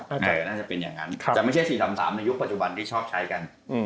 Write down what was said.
แต่ไม่ใช่๔๓ในยุคปัจจุบันที่ชอบใช้กัน